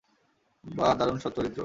বাহ, দারুণ সচ্চরিত্র।